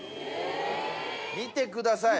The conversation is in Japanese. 見てください。